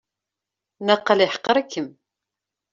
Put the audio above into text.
Naqal yeḥqer-ikem.